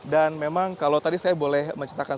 dan memang kalau tadi saya boleh mencetakkan